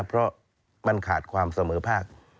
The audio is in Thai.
เพราะมันขาดความเสมอภาค